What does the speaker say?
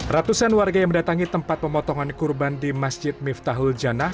ratusan warga yang mendatangi tempat pemotongan kurban di masjid miftahul janah